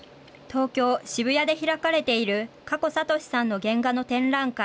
東京・渋谷で開かれているかこさとしさんの原画の展覧会。